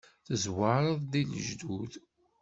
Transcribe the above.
Tezwareḍ i lejdud.